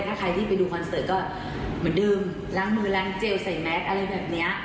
ถ้าใครที่ไปดูคอนเสิร์ตก็มาดื่มล้างมือล้างเจลใส่แม็กซ์อะไรแบบเนี้ย